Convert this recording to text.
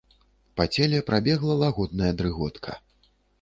Па целе прабегла лагодная дрыготка.